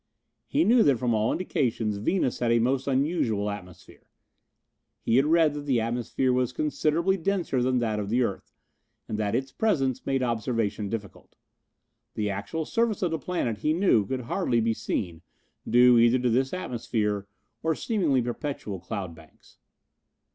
He knew that from all indications Venus had a most unusual atmosphere. He had read that the atmosphere was considerably denser than that of the earth, and that its presence made observation difficult. The actual surface of the planet he knew could hardly be seen due, either to this atmosphere, or seemingly perpetual cloud banks.